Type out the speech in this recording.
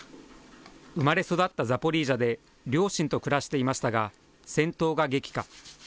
生まれ育ったザポリージャで両親と暮らしていましたが、戦闘が激化。